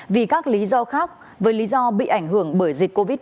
vì các lý do khác với lý do bị ảnh hưởng bởi dịch covid một mươi chín